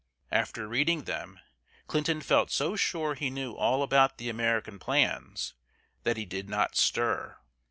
After reading them, Clinton felt so sure he knew all about the American plans that he did not stir.